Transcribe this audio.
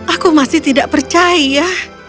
aku masih tidak percaya